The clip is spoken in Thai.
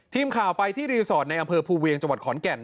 ทีมข่าวไปที่รีสอร์ทในอำเภอภูเวียงจังหวัดขอนแก่น